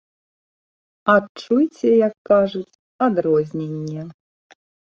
Адчуйце, як кажуць, адрозненне!